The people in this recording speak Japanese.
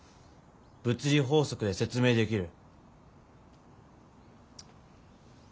物理法則で説明できる。